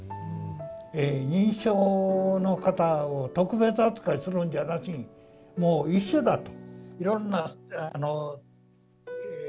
認知症の方を特別扱いするんじゃなしにもう一緒だと。